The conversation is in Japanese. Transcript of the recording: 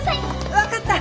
分かった！